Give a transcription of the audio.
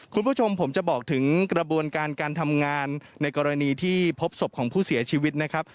คุณผู้ชมผมจะบอกถึงกระบวนการการทำงานในกรณีที่พบศพของผู้เสียชีวิตนะครับ